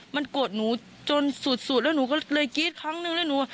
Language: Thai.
มันโกรธหนูจนสุดแล้วหนูก็เลยกรี๊ดครั้งนึงแล้วหนู